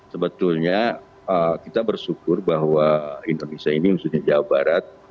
sebetulnya kita bersyukur bahwa indonesia ini khususnya jawa barat